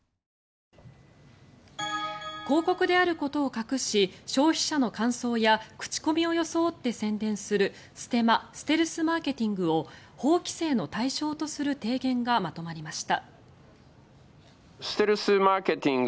広告であることを隠し消費者の感想や口コミを装って宣伝するステマステルスマーケティングを法規制の対象とする提言がまとまりました。